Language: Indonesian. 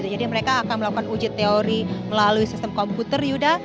jadi mereka akan melakukan uji teori melalui sistem komputer yuda